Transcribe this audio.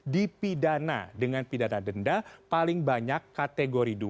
dipidana dengan pidana denda paling banyak kategori dua